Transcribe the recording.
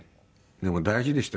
でも大事でした。